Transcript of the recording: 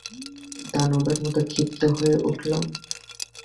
দানবের মতো ক্ষিপ্ত হয়ে উঠলাম।